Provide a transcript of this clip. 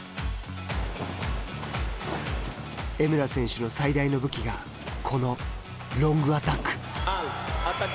江村選手の最大の武器がこのロングアタック。